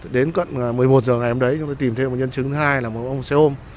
đến gần một mươi một h ngày hôm đấy chúng tôi tìm thêm một nhân chứng thứ hai là một ông xe ôm